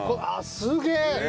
すげえ！